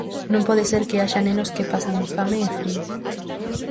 Non pode ser que haxa nenos que pasan fame e frío.